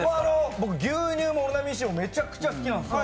僕、牛乳もオロナミンＣもめちゃくちゃ好きなんですよ。